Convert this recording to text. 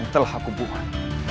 yang telah aku buat